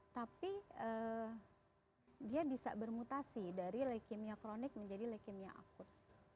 tapi dia bisa bermutasi dari leukemia kronik menjadi leukemia akut